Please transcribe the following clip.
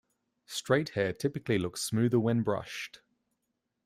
Straight hair typically looks smoother when brushed.